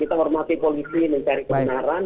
kita hormati polisi mencari kebenaran